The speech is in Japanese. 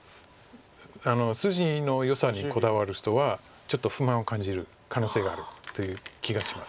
筋のよさにこだわる人はちょっと不満を感じる可能性があるという気がします。